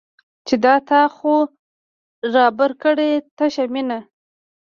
چې دا تا خو رابار کړې تشه مینه